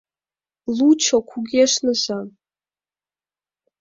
Лучо — кугешныза!